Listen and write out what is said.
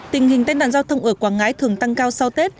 tình hình tai nạn giao thông ở quảng ngãi thường tăng cao sau tết